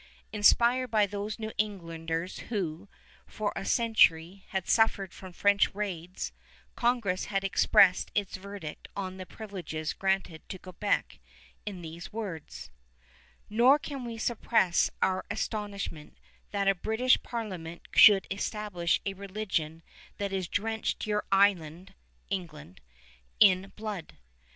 Inspired by those New Englanders who, for a century, had suffered from French raids, Congress had expressed its verdict on the privileges granted to Quebec in these words: "Nor can we supress our astonishment that a British Parliament should establish a religion that has drenched your island [England] in blood."